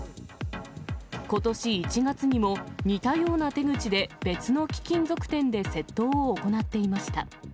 ことし１月にも似たような手口で別の貴金属店で窃盗を行っていました。